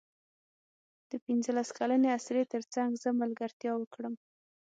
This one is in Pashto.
د پنځلس کلنې اسرې تر څنګ زه ملګرتیا وکړم.